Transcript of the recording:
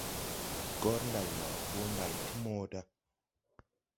Gor nday ma hoo nday ti moda.